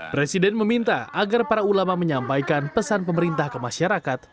presiden meminta agar para ulama menyampaikan pesan pemerintah ke masyarakat